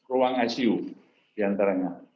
lima puluh ruang icu diantaranya